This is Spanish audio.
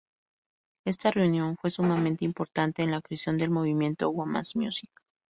Esta reunión fue sumamente importante en la creación del movimiento "women's music".